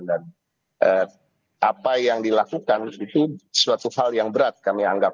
dan apa yang dilakukan itu suatu hal yang berat kami anggap